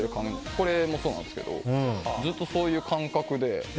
これもそうなんですけどずっとそういう感覚で。